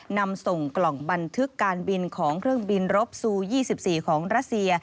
นำส่งกล่องบันทึกการบินของเครื่องบินรบซู๒๔ของรัสเซีย